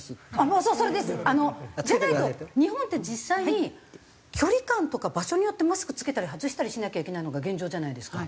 もうそうそれです！じゃないと日本って実際に距離感とか場所によってマスク着けたり外したりしなきゃいけないのが現状じゃないですか。